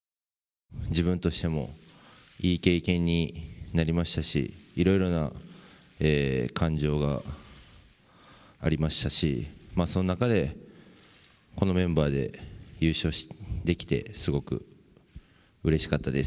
自分としてもいい経験になりましたしいろいろな感情がありましたし、その中でこのメンバーで優勝できてすごくうれしかったです。